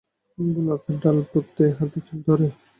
গোলাপের ডাল পুঁততে হাতে খিল ধরে!